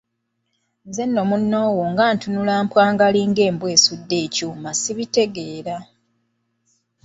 Nze nno munnoowo nga ntunula mpwangali ng'embwa esudde ekyuma ssibitegeera.